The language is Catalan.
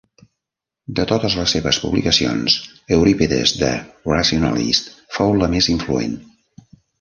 De totes les seves publicacions, "Euripides the Rationalist" fou la més influent.